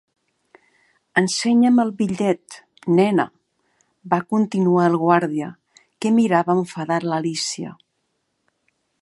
"Ensenya'm el bitllet, nena!", va continuar el guàrdia, que mirava enfadat l'Alícia.